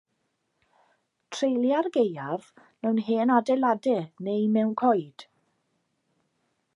Treulia'r gaeaf mewn hen adeiladau neu mewn coed.